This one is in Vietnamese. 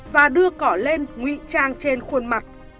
và đưa cỏ lên nguy trang trên khuôn mặt